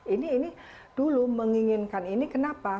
ini dulu menginginkan ini kenapa